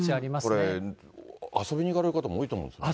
これ、遊びに行かれる方も多いと思うんでね。